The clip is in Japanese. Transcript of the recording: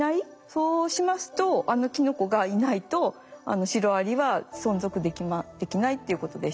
そうしますとあのキノコがいないとシロアリは存続できないっていうことでしょうね。